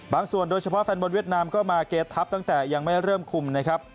ส่วนโดยเฉพาะแฟนบอลเวียดนามก็มาเกดทัพตั้งแต่ยังไม่เริ่มคุมนะครับ